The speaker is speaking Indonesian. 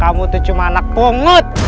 kamu tuh cuma anak pungut